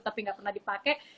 tapi nggak pernah dipake